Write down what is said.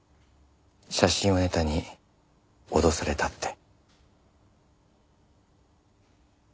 写真をネタに脅されたって。